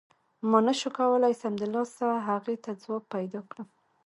ما نه شو کولای سمدلاسه هغې ته ځواب پیدا کړم.